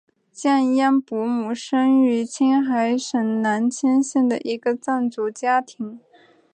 降央伯姆生于青海省囊谦县的一个藏族家庭。